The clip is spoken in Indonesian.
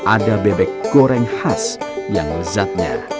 ada bebek goreng khas yang lezatnya